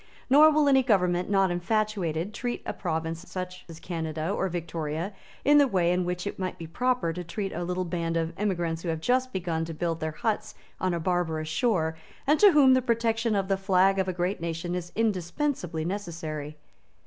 Nor will any government not infatuated treat such a province as Canada or Victoria in the way in which it might be proper to treat a little band of emigrants who have just begun to build their huts on a barbarous shore, and to whom the protection of the flag of a great nation is indispensably necessary.